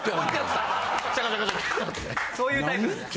そういうタイプなんだ。